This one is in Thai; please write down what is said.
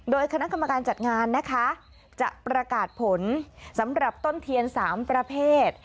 โดยคณะกรรมการจัดงานนะคะจะประกาศผลสำหรับต้นเทียน๓ประเภท